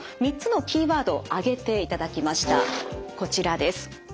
こちらです。